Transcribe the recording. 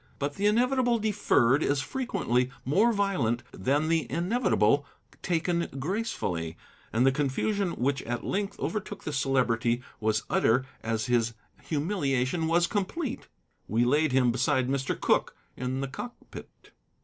But the inevitable deferred is frequently more violent than the inevitable taken gracefully, and the confusion which at length overtook the Celebrity was utter as his humiliation was complete. We laid him beside Mr. Cooke in the cockpit.